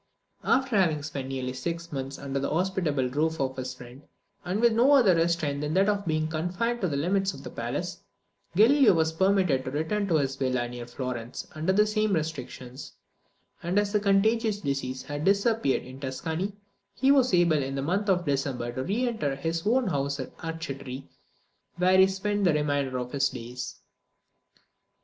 After having spent nearly six months under the hospitable roof of his friend, with no other restraint than that of being confined to the limits of the palace, Galileo was permitted to return to his villa near Florence under the same restrictions; and as the contagious disease had disappeared in Tuscany, he was able in the month of December to re enter his own house at Arcetri, where he spent the remainder of his days.